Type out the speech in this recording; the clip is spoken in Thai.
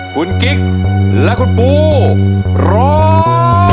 คุณกิ๊กและคุณปูร้อง